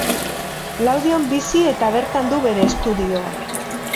Laudion bizi eta bertan du bere estudioa.